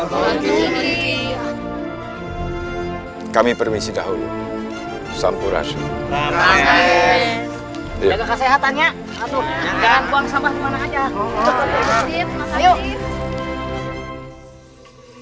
semoga desa kalian tidak ada wabah penyakit sampar lagi